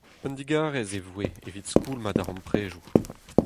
Un digarez e voe evit skoulmañ darempredoù.